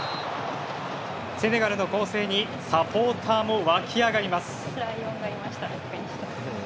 セネガルの攻勢にサポーターも沸き上がります。